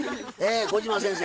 小島先生